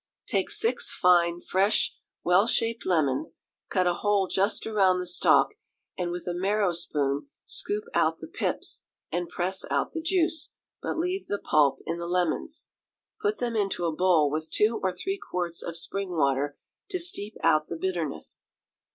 Take six fine, fresh, well shaped lemons, cut a hole just round the stalk, and with a marrow spoon scoop out the pips, and press out the juice, but leave the pulp in the lemons. Put them into a bowl with two or three quarts of spring water, to steep out the bitterness.